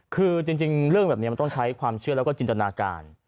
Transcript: คือจริงเรื่องแบบนี้มันต้องใช้ความเชื่อแล้วก็จินตนาการ